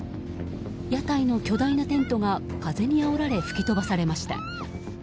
屋台の巨大なテントが風にあおられ吹き飛ばされました。